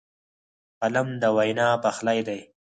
قلم د وینا پخلی دی